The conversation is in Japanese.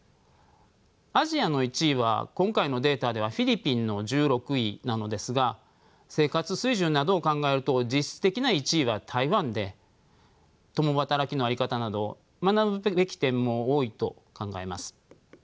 アジアの１位は今回のデータではフィリピンの１６位なのですが生活水準などを考えると実質的な１位は台湾で共働きの在り方など学ぶべき点も多いと考えます。